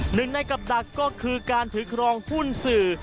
หนึ่งในกับดักก็คือการถือครองหุ้นสื่อ